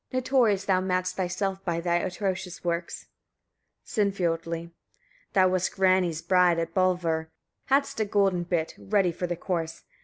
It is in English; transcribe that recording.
Notorious thou mad'st thyself by thy atrocious works. Sinfiotli. 41. Thou wast Grani's bride at Bravollr, hadst a golden bit, ready for the course.